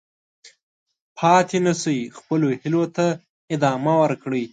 پاتې نه شئ، خپلو هیلو ته ادامه ورکړئ.